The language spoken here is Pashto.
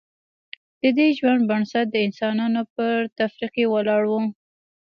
ددې ژوند بنسټ د انسانانو پر تفرقې ولاړ و